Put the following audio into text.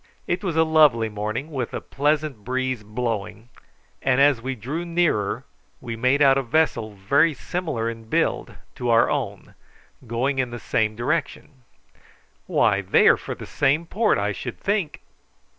It was a lovely morning, with a pleasant breeze blowing, and as we drew nearer we made out a vessel very similar in build to our own going in the same direction. "Why, they are for the same port, I should think!"